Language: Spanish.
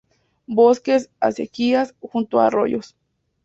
Bosques, acequias, junto a arroyos.